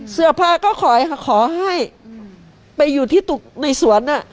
เสื้อผ้าก็ขอขอให้ไปอยู่ที่ตุกในสวนอ่ะ